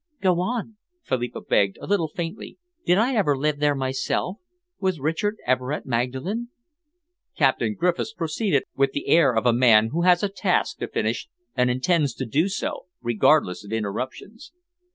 "Go on," Philippa begged, a little faintly. "Did I ever live there myself? Was Richard ever at Magdalen?" Captain Griffiths proceeded with the air of a man who has a task to finish and intends to do so, regardless of interruptions.